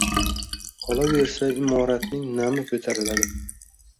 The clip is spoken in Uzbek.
Qolaversa, imoratning nami ko‘tariladi.